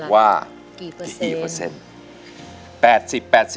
ว่ากี่เปอร์เซ็นต์